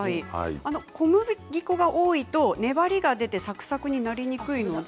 小麦粉が多いと粘りが出てサクサクになりにくいので。